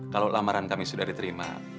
kalau lamaran kami sudah diterima